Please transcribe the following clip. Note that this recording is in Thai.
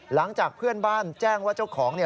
หลังจากเพื่อนบ้านแจ้งว่าเจ้าของ